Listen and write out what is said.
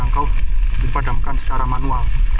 untuk dijangkau dipadamkan secara manual